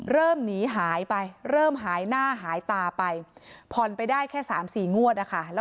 เริ่มหนีหายไปเริ่มหายหน้าหายตาไปผ่อนไปได้แค่๓๔งวดนะคะ